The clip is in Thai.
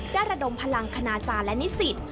ระดมพลังคณาจารย์และนิสิต